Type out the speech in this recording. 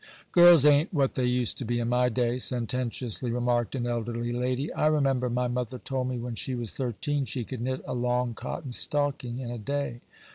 'Girls a'n't what they used to be in my day,' sententiously remarked an elderly lady. 'I remember my mother told me when she was thirteen she could knit a long cotton stocking in a day.